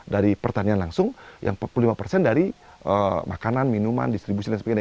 tiga puluh dari pertanian langsung yang empat puluh lima dari makanan minuman distribusi dan sebagainya